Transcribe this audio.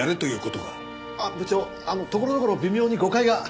あっ部長ところどころ微妙に誤解が。